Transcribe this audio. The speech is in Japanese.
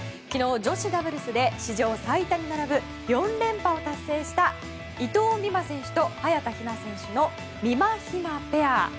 昨日、女子ダブルスで史上最多に並ぶ４連覇を達成した伊藤美誠選手と早田ひな選手のみまひなペア。